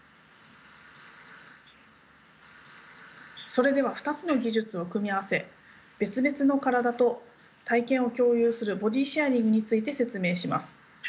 それでは２つの技術を組み合わせ別々の体と体験を共有するボディシェアリングについて説明します。